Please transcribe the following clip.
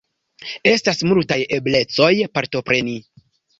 Estas multaj eblecoj partopreni.